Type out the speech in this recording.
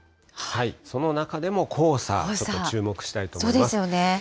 その中でも黄砂、ちょっと注目したいと思います。